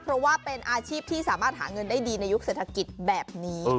เพราะว่าเป็นอาชีพที่สามารถหาเงินได้ดีในยุคเศรษฐกิจแบบนี้